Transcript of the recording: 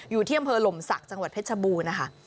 อยู่ที่อำเภอหลมศักดิ์จังหวัดเพชรบูรณ์นะคะ